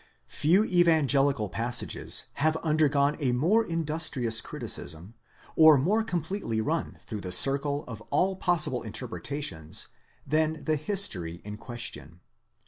Few evangelical passages have undergone a more industrious criticism, or more completely run through the circle of all possible interpretations, than the history in question.